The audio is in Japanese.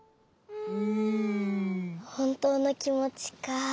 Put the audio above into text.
ほんとうのきもちか。